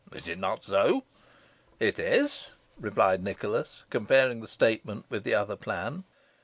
Is it not so?" "It is," replied Nicholas, comparing the statement with the other plan.